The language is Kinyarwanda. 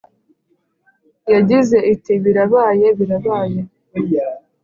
yagize iti “birabaye, birabaye.